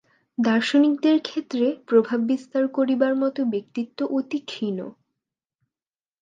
দার্শনিকদের ক্ষেত্রে প্রভাব বিস্তার করিবার মত ব্যক্তিত্ব অতি ক্ষীণ।